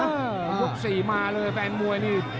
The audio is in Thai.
ยก๔มาเลยแฟนมวยนี่